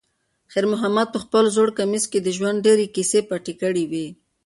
خیر محمد په خپل زوړ کمیس کې د ژوند ډېرې کیسې پټې کړې وې.